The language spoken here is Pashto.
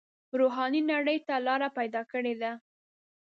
روحاني نړۍ ته لاره پیدا کړې ده.